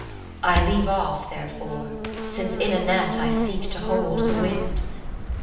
I leave off therefore, Since in a net I seek to hold the wind.